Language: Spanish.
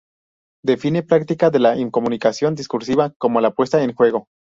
Define "Práctica de la Incomunicación Discursiva" como la puesta en juego.